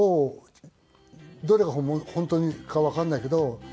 どれが本当かわかんないけど。